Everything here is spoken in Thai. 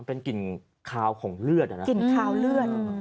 เป็นกลิ่นคาวของเลือด